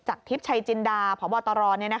ทิพย์ชัยจินดาพบตร